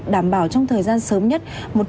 đảm bảo trong thời gian sớm nhất